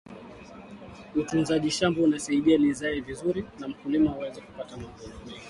utunzaji shamba unasaidia lizae vizuri na mkulima aweze kupata mavuno mengi